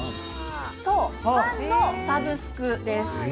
パンのサブスクです。